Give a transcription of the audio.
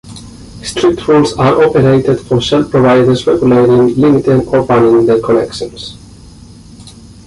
Strict rules are operated for shell providers regulating, limiting or banning their connections.